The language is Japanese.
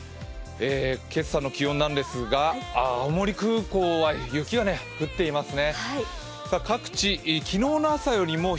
今朝の気温なんですが、青森空港は雪が降っていますね。